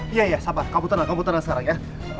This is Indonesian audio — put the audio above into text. iya iya sabar kamu tenang kamu tenang sekarang ya